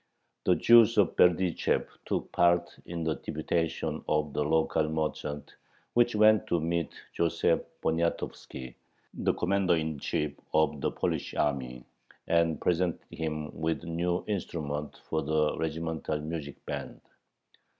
The Jews of Berdychev took part in the deputation of the local merchants which went to meet Joseph Poniatovski, the commander in chief of the Polish army, and presented him with new instruments for the regimental music bands.